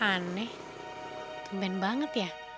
aneh kemen banget ya